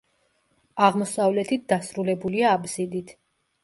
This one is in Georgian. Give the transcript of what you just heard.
აღმოსავლეთით დასრულებულია აბსიდით.